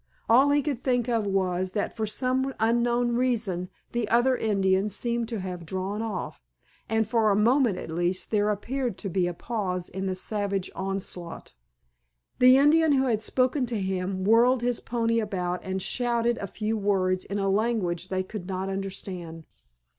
All he could think of was that for some unknown reason the other Indians seemed to have drawn off, and for a moment at least there appeared to be a pause in the savage onslaught. The Indian who had spoken to him whirled his pony about and shouted a few words in a language they could not understand.